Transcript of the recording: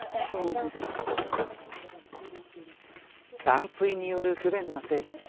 断水による不便な生活。